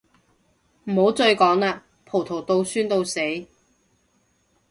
唔好再講喇，葡萄到酸到死